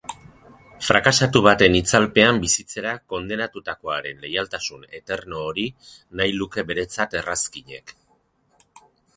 Frakasatu baten itzalpean bizitzera kondenatutakoaren leialtasun eterno hori nahi luke beretzat Errazkinek.